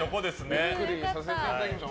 ゆっくりさせていただきました。